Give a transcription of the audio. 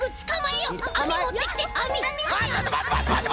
えっ